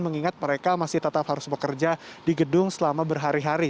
mengingat mereka masih tetap harus bekerja di gedung selama berhari hari